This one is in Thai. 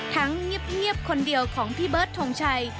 เงียบคนเดียวของพี่เบิร์ดทงชัย